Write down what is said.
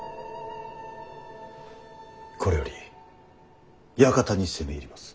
これより館に攻め入ります。